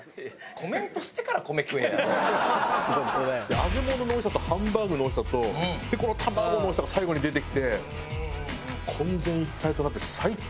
揚げ物のおいしさとハンバーグのおいしさとこの卵のおいしさが最後に出てきて渾然一体となって最高！